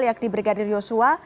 yakni brigadir yosua